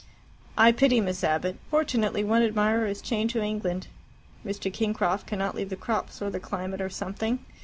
"I pity Miss Abbott. Fortunately one admirer is chained to England. Mr. Kingcroft cannot leave the crops or the climate or something.